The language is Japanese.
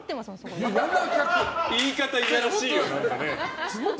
言い方いやらしいもん。